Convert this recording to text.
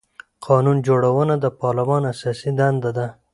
قانون جوړونه د پارلمان اساسي دنده ده